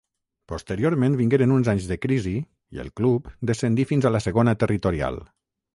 Posteriorment vingueren uns anys de crisi i el club descendí fins a la Segona Territorial.